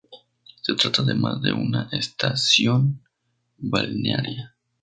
Se trata además de una estación balnearia.